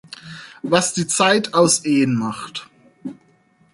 Was die Zeit aus Ehen macht.